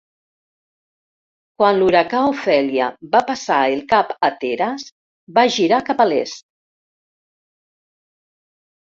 Quan l'huracà Ophelia va passar el Cap Hatteras, va girar cap a l'est.